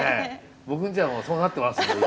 僕んちはもうそうなってますんで今。